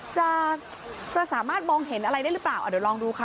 จะจะสามารถมองเห็นอะไรได้หรือเปล่าเดี๋ยวลองดูค่ะ